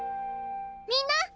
みんな！